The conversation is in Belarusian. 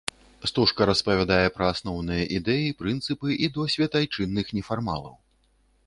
Стужка распавядае пра асноўныя ідэі, прынцыпы і досвед айчынных нефармалаў.